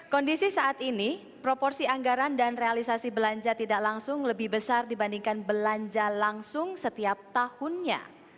kondisi saat ini proporsi anggaran dan realisasi belanja tidak langsung lebih besar dibandingkan belanja langsung setiap tahunnya